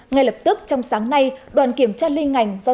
ngay lập tức trong sáng nay đoàn kiểm tra liên ngành do